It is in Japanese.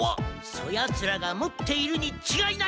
そやつらが持っているにちがいない！